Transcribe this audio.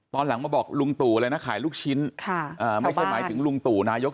ตอนหลังมาบอกลุงตู่เลยนะขายลูกชิ้นไม่ใช่หมายถึงลุงตู่นายก